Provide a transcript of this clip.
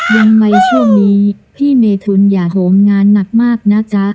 ยังไงช่วงนี้พี่เมทุนอย่าโหมงานหนักมากนะจ๊ะ